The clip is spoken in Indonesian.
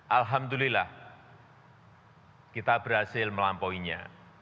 alhamdulillah kita berhasil melampauinya